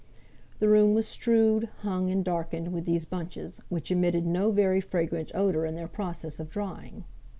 The room was strewed, hung, and darkened with these bunches, which emitted no very fragrant odour in their process of drying.